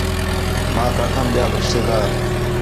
ماک آکھام ٻِیال رشتے دار